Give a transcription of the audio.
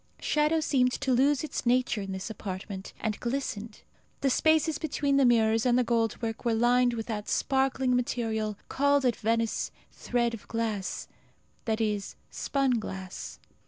Shadow seemed to lose its nature in this apartment, and glistened. The spaces between the mirrors and the gold work were lined with that sparkling material called at Venice thread of glass that is, spun glass.